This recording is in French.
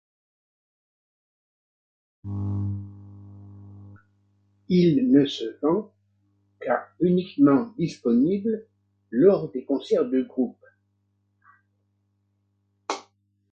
Il ne se vend qu'à uniquement disponibles lors des concerts du groupe.